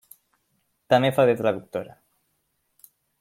També fa de traductora.